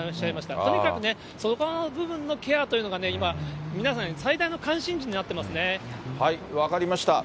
とにかくそこの部分のケアというのが、今、皆さんの最大の関心事分かりました。